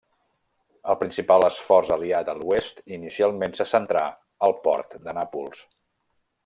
El principal esforç aliat a l'oest inicialment se centrà al port de Nàpols.